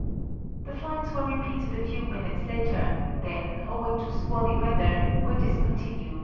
The flights were repeated a few minutes later, then, owing to squally weather, were discontinued for 11 days.